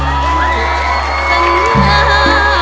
ลูกตา